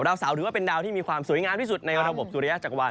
ดาวเสาถือว่าเป็นดาวที่มีความสวยงามที่สุดในวัฒนภพสุริยะจักรวรรณ